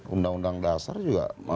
undang undang dasar juga